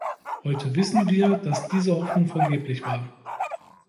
Heute wissen wir, dass diese Hoffnung vergeblich war.